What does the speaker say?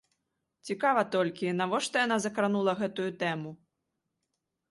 Цікава толькі, навошта яна закранула гэтую тэму.